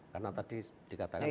karena tadi dikatakan bahwa